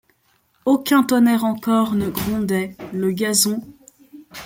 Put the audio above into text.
Aucun tonnerre encor ne grondait ; le gazon